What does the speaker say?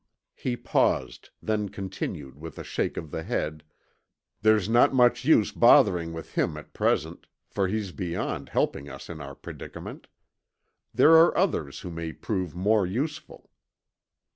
He paused, then continued with a shake of the head, "There's not much use bothering with him at present, for he's beyond helping us in our predicament. There are others who may prove more useful."